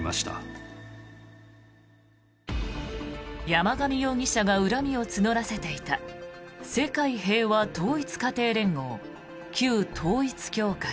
山上容疑者が恨みを募らせていた世界平和統一家庭連合旧統一教会。